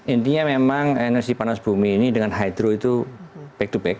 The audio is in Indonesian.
intinya memang energi panas bumi ini dengan hydro itu back to back